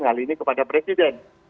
hal ini kepada presiden